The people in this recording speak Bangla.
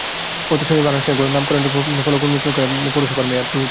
গত শনিবার আনুষ্ঠানিকভাবে নামকরণের ফলক উন্মোচন করেন পৌরসভার মেয়র তৌহিদুল ইসলাম।